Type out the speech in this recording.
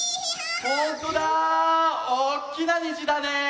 ほんとだおっきなにじだね。